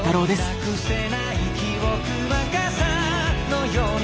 「失くせない記憶は傘のように」